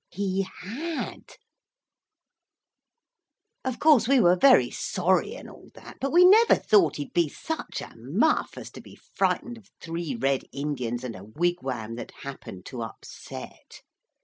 He had. Of course we were very sorry and all that, but we never thought he'd be such a muff as to be frightened of three Red Indians and a wigwam that happened to upset.